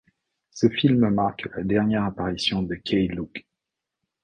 Ce film marque la dernière apparition de Keye Luke.